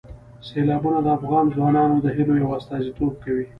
سیلابونه د افغان ځوانانو د هیلو یو استازیتوب کوي.